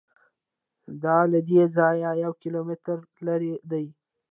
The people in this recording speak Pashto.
دا له دې ځایه یو کیلومتر لرې دی.